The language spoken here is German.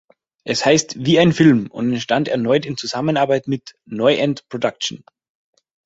Es heißt "Wie ein Film" und entstand erneut in Zusammenarbeit mit "Neuend-Production".